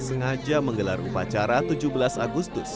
sengaja menggelar upacara tujuh belas agustus